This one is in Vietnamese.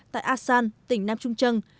tại asan tỉnh nam trung trân